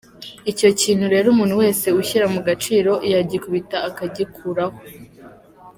Icyo kintu rero umuntu wese ushyira mugaciro yagikubita akagikuraho.